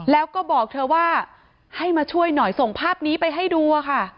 แล้วก็บอกเธอว่าให้มาช่วยหน่อยส่งภาพนี้ไปให้ดูค่ะ